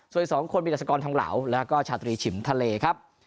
ส่วนอีก๒คนมีดัชกรทองเหลาแล้วก็ชาตรีฉิมทะเลครับ